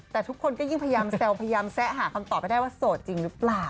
แต่ทุกคนก็ยิ่งพยายามแซวพยายามแซะหาคำตอบไม่ได้ว่าโสดจริงหรือเปล่า